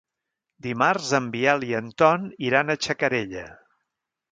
Dimarts en Biel i en Ton iran a Xacarella.